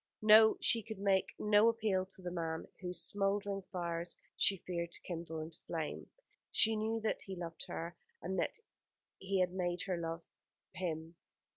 No, she could make no appeal to the man whose smouldering fires she feared to kindle into flame. She knew that he loved her, and that he had made her love him.